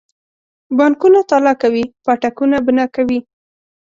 بانکونه تالا کوي پاټکونه بنا کوي.